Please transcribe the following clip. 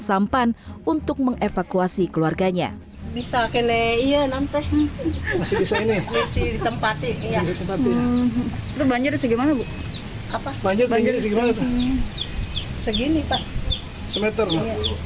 sampan untuk mengevakuasi keluarganya bisa kene iya nanti masih bisa ini masih ditempati